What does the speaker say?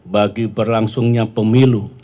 bagi berlangsungnya pemilu